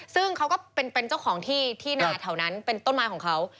ซึ่งเขาก็เป็นเจ้าของที่ที่นาแถวนั้นเป็นต้นไม้ของเขา